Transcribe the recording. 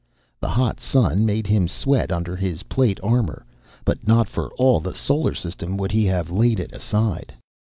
The hot sun made him sweat under his plate armor, but not for all the Solar System would he have laid it aside.